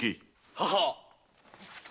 ははっ！